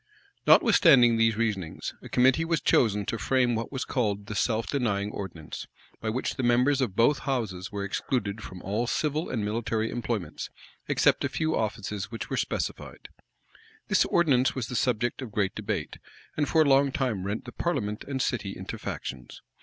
[*]* Whitlocke, p. 114, 115. Rush. vol. vii. p. 6. Notwithstanding these reasonings, a committee was chosen to frame what was called the "self denying ordinance," by which the members of both houses were excluded from all civil and military employments, except a few offices which were specified. This ordinance was the subject of great debate, and for a long time rent the parliament and city into factions.